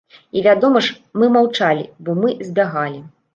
І вядома ж, мы маўчалі, бо мы збягалі.